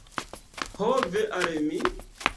Ho ve al mi!